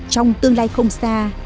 trong tương lai không xa